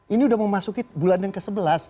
ini sudah memasuki bulan yang ke sebelas